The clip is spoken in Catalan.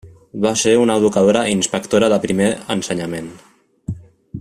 Va ser una educadora i inspectora de Primer Ensenyament.